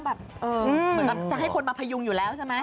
เหมือนกับจะให้คนมาพยุงอยู่แล้วใช่ไหม